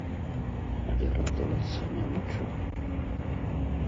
Але радавацца няма чаму.